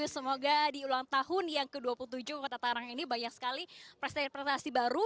semoga di ulang tahun yang ke dua puluh tujuh kota tarang ini banyak sekali prestasi prestasi baru